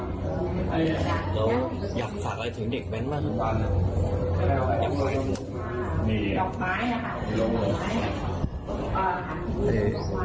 แล้วอยากฝากอะไรถึงเด็กแว่นบ้านนะครับ